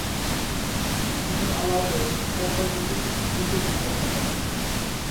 তিনি আলাওলের "পদ্মাবতী"পুথির সম্পাদনা করেন।